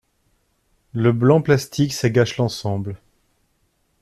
Le banc plastique, ça gâche l'ensemble.